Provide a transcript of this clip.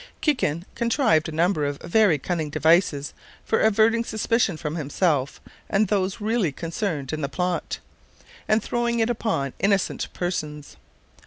Kikin contrived a number of very cunning devices for averting suspicion from himself and those really concerned in the plot, and throwing it upon innocent persons.